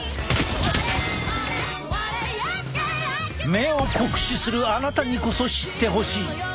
目を酷使するあなたにこそ知ってほしい！